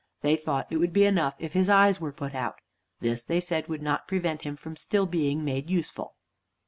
They thought it would be enough if his eyes were put out. This, they said, would not prevent him from being still made useful.